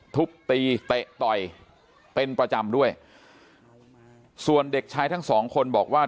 ทุบตีเตะต่อยเป็นประจำด้วยส่วนเด็กชายทั้งสองคนบอกว่า